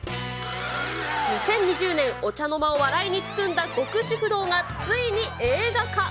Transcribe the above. ２０２０年、お茶の間を笑いに包んだ極主夫道がついに映画化。